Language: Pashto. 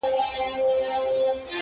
ه زه د دوو مئينو زړو بړاس يمه-